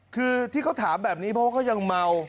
คือที่เขาถามแบบนี้เพราะว่าเขายังเมา